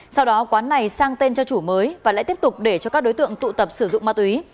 sau đó quán này sang tên cho chủ mới và lại tiếp tục để cho các đối tượng tụ tập sử dụng ma túy